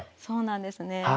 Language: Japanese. そうなんですね。